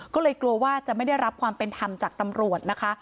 ก็เลยกลัวว่าจะไม่ได้รับความเป็นธรรมจากตำรวจนะคะ